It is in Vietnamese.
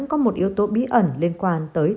có một yếu tố bí ẩn liên quan tới